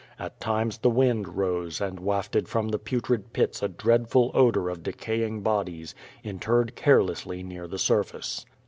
At times the wind rose and wafted from the "Putrid Pits" a dreadful odor of decaying bodies, interred carelessly near the surface.